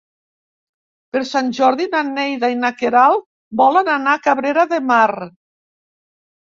Per Sant Jordi na Neida i na Queralt volen anar a Cabrera de Mar.